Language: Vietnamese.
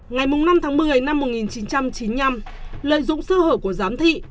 ngày năm tháng một mươi năm một nghìn chín trăm chín mươi năm lợi dụng sơ hở của giám thị